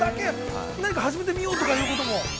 何か始めてみようということも。